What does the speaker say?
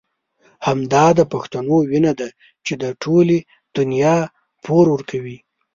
همدا د پښتنو وينه ده چې د ټولې دنيا پور ورکوي.